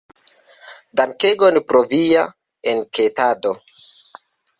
Dankegon pro via enketado.